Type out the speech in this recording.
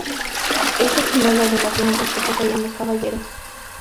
Es el símbolo de las lanzas que poseían los caballeros.